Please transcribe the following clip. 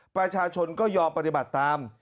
ประชาชนก็ยอมปฏิบัติตาม